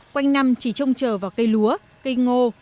quanh năm chỉ trông chờ vào cây lúa cây ngô